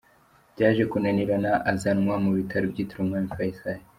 Byaje kunanirana azanwa mu bitaro byitiriwe Umwami Faisal.